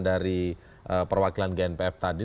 dari perwakilan gnpf tadi